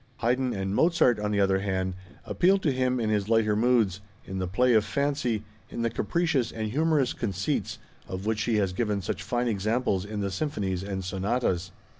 Haydn and Mozart, on the other hand, appealed to him in his lighter moods, in the play of fancy, in the capricious and humorous conceits of which he has given such fine examples in the symphonies and sonatas.